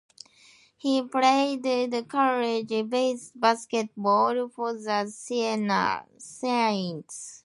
He played college basketball for the Siena Saints.